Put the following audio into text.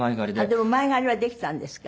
でも前借りはできたんですか？